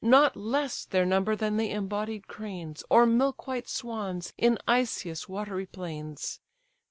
Not less their number than the embodied cranes, Or milk white swans in Asius' watery plains.